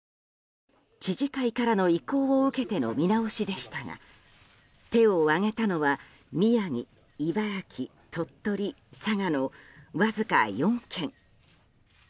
知事会からの意向を受けての見直しでしたが手を上げたのは宮城、茨城、鳥取、佐賀のわずか４県。